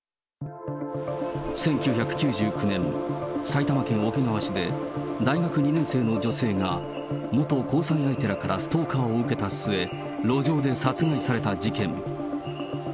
１９９９年、埼玉県桶川市で大学２年生の女性が元交際相手らからストーカーを受けた末、路上で殺害された事件。